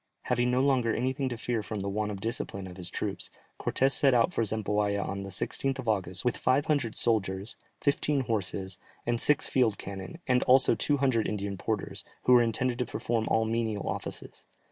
Having no longer anything to fear from the want of discipline of his troops, Cortès set out for Zempoalla on the 16th of August, with five hundred soldiers, fifteen horses, and six field cannon, and also two hundred Indian porters, who were intended to perform all menial offices.